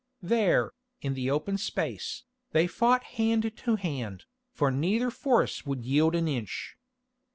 There, in the open space, they fought hand to hand, for neither force would yield an inch.